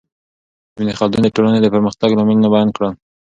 ابن خلدون د ټولنې د پرمختګ لاملونه بیان کړل.